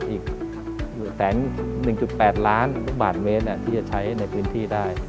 อีก๑๑๘ล้านบาทเมตรที่จะใช้ในพื้นที่ได้